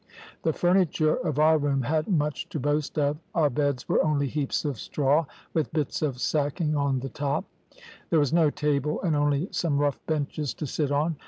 The furniture of our room hadn't much to boast of. Our beds were only heaps of straw, with bits of sacking on the top; there was no table, and only some rough benches to sit on.